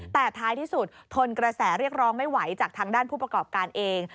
แต่ท้ายที่สุดทนกระแสเรียกร้องไม่ไหวจากทางด้านผู้ประกอบการเอง